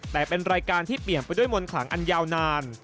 แต่เป็นรายการที่เปลี่ยนไปด้วยมนต์ขลังอันยาวนาน